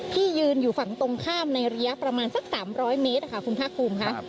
ที่ยืนอยู่ฝั่งตรงข้ามในระยะประมาณสัก๓๐๐เมตรค่ะคุณภาคภูมิค่ะ